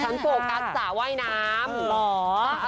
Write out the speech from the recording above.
ฉันโฟกัสสาว่ายน้ำ